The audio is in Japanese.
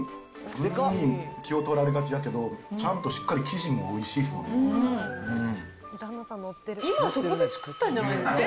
具に気を取られがちだけど、ちゃんとしっかり生地もおいしい今、ねえ。